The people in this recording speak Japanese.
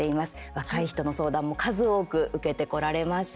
若い人の相談も数多く受けてこられました。